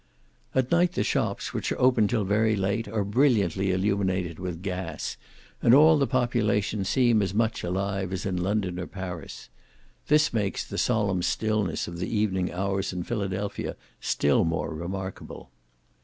At night the shops, which are open till very late, are brilliantly illuminated with gas, and all the population seem as much alive as in London or Paris. This makes the solemn stillness of the evening hours in Philadelphia still more remarkable.